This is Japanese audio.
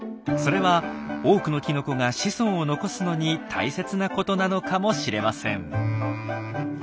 それは多くのきのこが子孫を残すのに大切なことなのかもしれません。